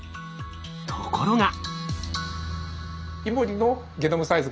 ところが。